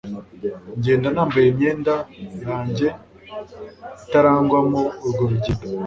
Ngenda nambaye imyenda yanjye itarangwamo urwo rugendo